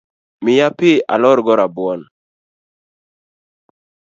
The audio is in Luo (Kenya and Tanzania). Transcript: Mia pi alorgo rabuon